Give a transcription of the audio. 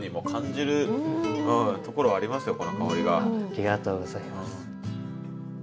ありがとうございます。